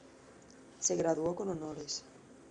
Se graduó con honores.